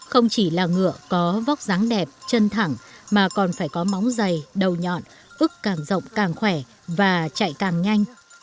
không chỉ là ngựa có vóc dáng đẹp chân thẳng mà còn phải có móng dày đầu nhọn ức càng rộng càng khỏe và chạy càng nhanh